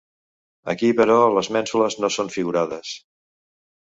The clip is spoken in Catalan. Aquí però, les mènsules no són figurades.